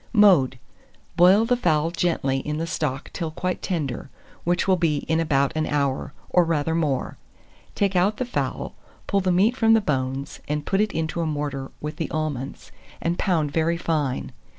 Mode. Boil the fowl gently in the stock till quite tender, which will be in about an hour, or rather more; take out the fowl, pull the meat from the bones, and put it into a mortar with the almonds, and pound very fine.